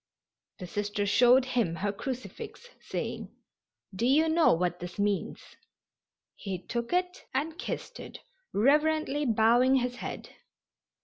The Sister showed him her crucifix, saying: "Do you know what this means?" He took it and kissed it, reverently bowing his head.